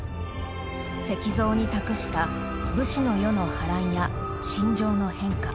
石像に託した武士の世の波乱や心情の変化。